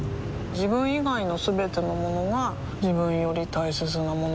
自分以外のすべてのものが自分より大切なものだと思いたい